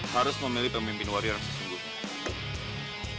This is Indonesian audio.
harus memilih pemimpin wari yang sesungguhnya